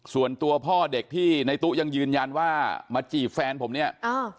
ส่วนตัวพ่อเด็กที่ในตู้ยังยืนยันว่ามาจีบแฟนผมเนี่ยอ้าว